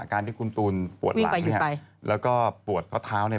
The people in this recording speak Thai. การที่คุณตูนปวดหลักแล้วก็ปวดข้อเท้า